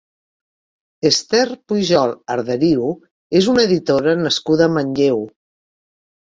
Ester Pujol Arderiu és una editora nascuda a Manlleu.